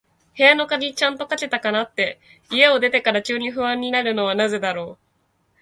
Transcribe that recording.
部屋の鍵、ちゃんとかけたかなって、家を出てから急に不安になるのはなぜだろう。